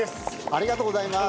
ありがとうございます！